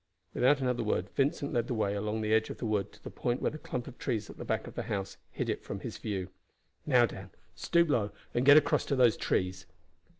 Without another word Vincent led the way along the edge of the wood to the point where the clump of trees at the back of the house hid it from his view. "Now, Dan, stoop low and get across to those trees."